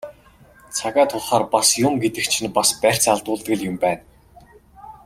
Цагаа тулахаар бас юм гэдэг чинь бас барьц алдуулдаг л юм байна.